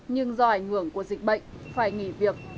nhưng do ảnh hưởng của dịch bệnh phải nghỉ việc